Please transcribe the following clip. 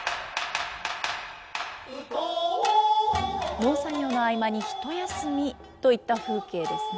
農作業の合間に一休みといった風景ですね。